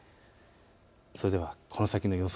それではこの先の予想